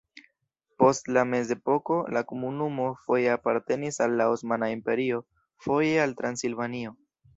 Post la mezepoko la komunumo foje apartenis al la Osmana Imperio, foje al Transilvanio.